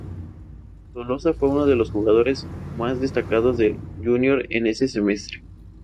Toloza fue uno de los jugadores más destacados del Junior en ese semestre.